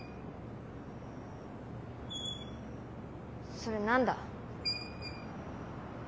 それ何だ？